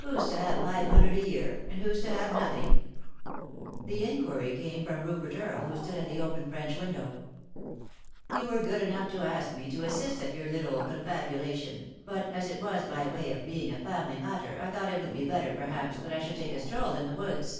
"Who's to have five hundred a year ? And who's to have nothing ?" The inquiry came from Rupert Earle, who stood at the open French window. "You were good enough to ask me to assist at your little confabulation, but as it was by way of being a family matter I thought that it would be better perhaps that I should take a stroll in the woods.